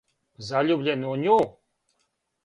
Заљубљен у њу?